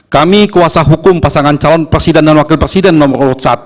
kami kuasa hukum pasangan calon presiden dan wakil presiden nomor urut satu